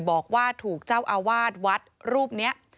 บอกว่าถูกเจ้าอาวาสวัดรูปนี้